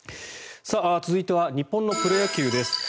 続いては日本のプロ野球です。